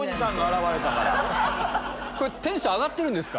テンション上がってるんですか？